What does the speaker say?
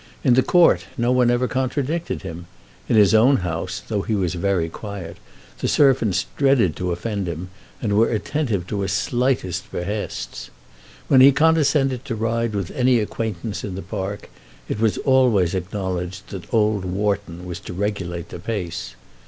In the court no one ever contradicted him. In his own house, though he was very quiet, the servants dreaded to offend him, and were attentive to his slightest behests. When he condescended to ride with any acquaintance in the park, it was always acknowledged that old Wharton was to regulate the pace.